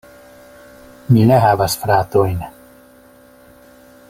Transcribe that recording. Mi ne havas fratojn.